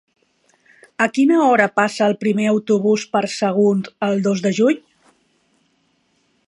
A quina hora passa el primer autobús per Sagunt el dos de juny?